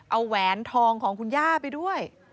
เอาแหวนทองของคุณย่าไปด้วย